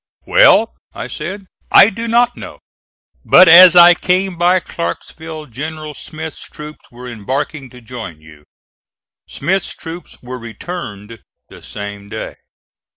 "Well," I said, "I do not know; but as I came by Clarksville General Smith's troops were embarking to join you." Smith's troops were returned the same day.